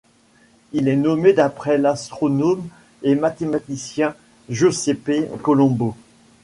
Il est nommé d'après l'astronome et mathématicien Giuseppe Colombo.